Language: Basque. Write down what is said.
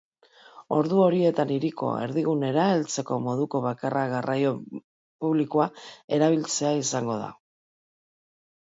Ordu horietan, hiriko erdigunera heltzeko moduko bakarra garraio publikoa erabiltzea izango da.